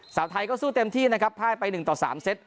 สาปไทยก็สู้เต็มที่นะครับภายไปหนึ่งต่อสามเซ็ต